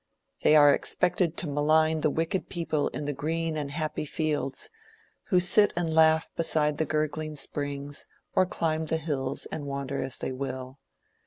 They are expected to malign the wicked people in the green and happy fields, who sit and laugh beside the gurgling springs or climb the hills and wander as they will.